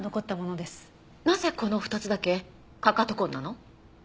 なぜこの２つだけかかと痕なの？